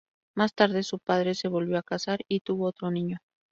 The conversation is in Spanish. Más tarde su padre se volvió a casar y tuvo otro niño.